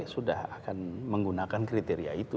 sudah akan menggunakan kriteria itu